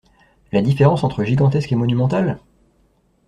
La différence entre gigantesque et monumental?